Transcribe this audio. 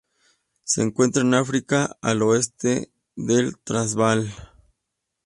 Se encuentran en África: al oeste del Transvaal.